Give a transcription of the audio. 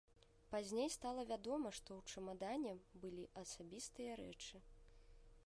Пазней стала вядома, што ў чамадане былі асабістыя рэчы.